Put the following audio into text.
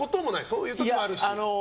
そういうこともあるし？